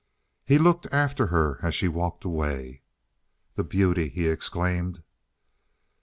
He looked after her as she walked away. "The beauty!" he exclaimed.